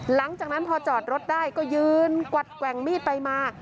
หลังจากนั้นพอจอดรถได้ก็ยืนกวัดแกว่งมีดไปมา